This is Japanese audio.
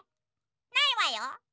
ないわよ。